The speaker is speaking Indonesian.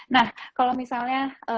nah kalau misalnya